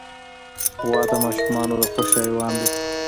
غوا د ماشومانو د خوښې حیوان دی.